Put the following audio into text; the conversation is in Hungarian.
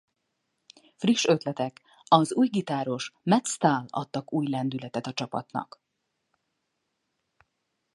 Friss ötletek az új gitáros Mats Stahl adtak új lendületet a csapatnak.